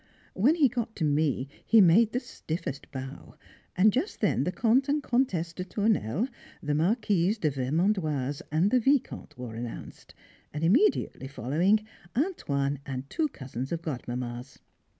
When he got to me he made the stiffest bow; and just then the Comte and Comtesse de Tournelle, the Marquise de Vermandoise, and the Vicomte were announced, and immediately following, "Antoine" and two cousins of Godmamma's.